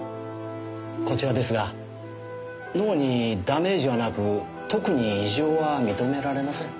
こちらですが脳にダメージはなく特に異常は認められません。